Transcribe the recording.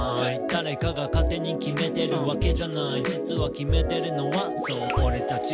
「誰かが勝手に決めてるわけじゃない」「実は決めてるのはそうオレたち」